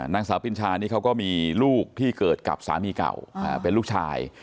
นางสาวปินชานี่เขาก็มีลูกที่เกิดกับสามีเก่าเป็นลูกชาย